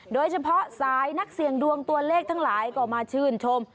โดยเฉพาะสายนักเสี่ยงดวงตัวเลขทั้งหลายก็มาชื่นชม